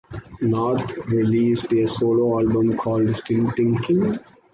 North released a solo album called Still Thinking?